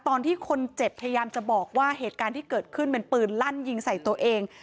ตอนที่คนเจ็บพยายามจะบอกว่าเหตุการณ์ที่เกิดขึ้นเป็นปืนลั่นยิงใส่ตัวเอง